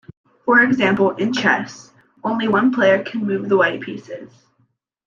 For example, in chess, only one player can move the white pieces.